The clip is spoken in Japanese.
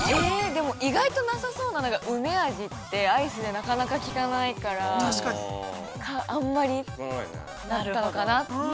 でも、意外となさそうなのが梅味ってアイスでなかなか聞かないから、あんまりだったのかな。